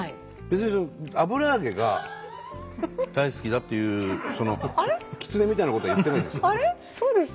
別に油揚げが大好きだっていうキツネみたいなことは言ってないんです。